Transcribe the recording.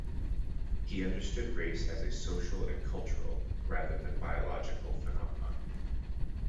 He understood race as a social and cultural, rather than a biological phenomenon.